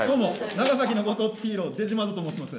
長崎のご当地ヒーローデジマードと申します。